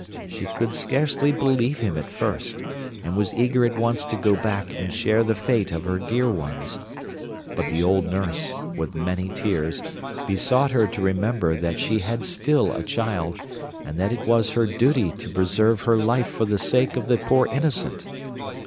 She could scarcely believe him at first, and was eager at once to go back and share the fate of her dear ones; but the old nurse, with many tears, besought her to remember that she had still a child, and that it was her duty to preserve her life for the sake of the poor innocent.